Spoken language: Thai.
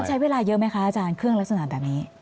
ใช้เวลาเยอะไหมคะอาจารย์เครื่องลักษณะแบบนี้